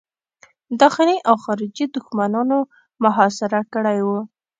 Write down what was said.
داخلي او خارجي دښمنانو محاصره کړی وو.